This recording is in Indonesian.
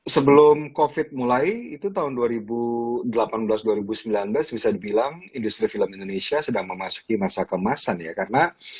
sebelum covid mulai itu tahun dua ribu delapan belas dua ribu sembilan belas bisa dibilang industri film indonesia sedang memasuki masa kemasan ya karena